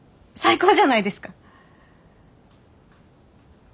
最高じゃないですか？